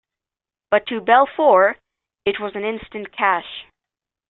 But to Belfeor, it was instant cash.